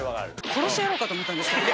殺してやろうかと思ったんですけど。